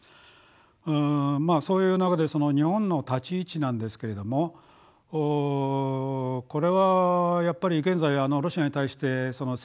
そういう中で日本の立ち位置なんですけれどもこれはやっぱり現在ロシアに対して制裁やってるのは